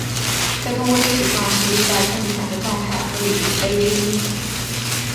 在中国历史上是历代政权的状态和里程碑之一。